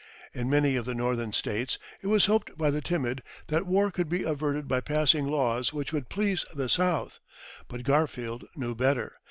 In many of the Northern States, it was hoped by the timid that war could be averted by passing laws which would please the South. But Garfield knew better.